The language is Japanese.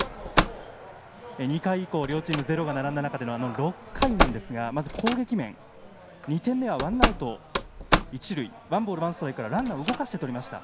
２回以降、両チームゼロが並んだ中での６回なんですがまず攻撃面、２点目はワンアウト一塁ワンボールワンストライクランナーを動かしていきました。